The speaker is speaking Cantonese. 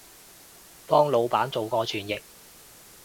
幫腦闆做過傳譯